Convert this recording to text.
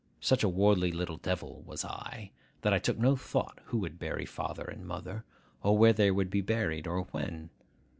Such a worldly little devil was I, that I took no thought who would bury father and mother, or where they would be buried, or when.